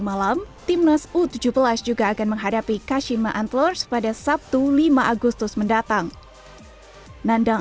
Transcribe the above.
malam timnas u tujuh belas juga akan menghadapi kashima antlors pada sabtu lima agustus mendatang nandang